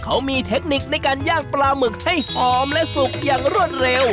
เขามีเทคนิคในการย่างปลาหมึกให้หอมและสุกอย่างรวดเร็ว